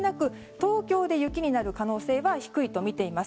東京で雪になる可能性は低いとみています。